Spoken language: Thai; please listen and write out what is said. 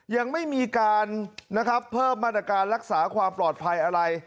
ยังไม่มีการนะครับเพิ่มมาตรการรักษาความปลอดภัยอะไร